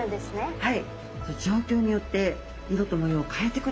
はい。